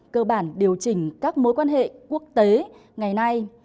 cơ bản điều chỉnh các mối quan hệ quốc tế ngày nay